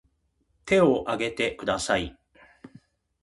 手を挙げてください